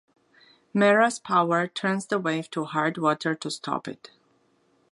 Mera's power turns the wave to hard water to stop it.